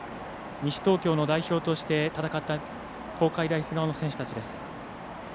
西東京の代表として戦った東海大菅生の選手たちです。